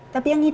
tapi yang itu